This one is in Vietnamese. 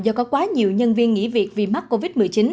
do có quá nhiều nhân viên nghỉ việc vì mắc covid một mươi chín